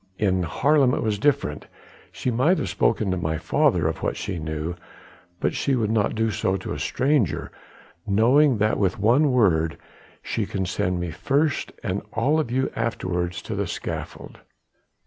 In Haarlem it was different. She might have spoken to my father of what she knew, but she would not do so to a stranger, knowing that with one word she can send me first and all of you afterwards to the scaffold."